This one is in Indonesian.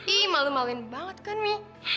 ih malu maluin banget kan mi